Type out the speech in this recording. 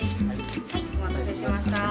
はいお待たせしました。